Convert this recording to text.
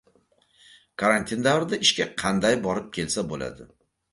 Karantin davrida ishga qanday borib-kelsa bo‘ladi?